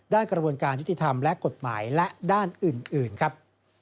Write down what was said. กระบวนการยุติธรรมและกฎหมายและด้านอื่นครับ